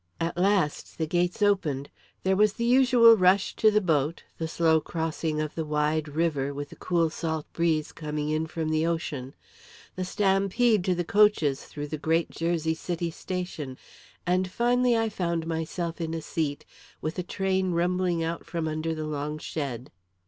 At last the gates opened; there was the usual rush to the boat; the slow crossing of the wide river, with the cool salt breeze coming in from the ocean; the stampede to the coaches through the great Jersey City station; and finally I found myself in a seat, with the train rumbling out from under the long shed.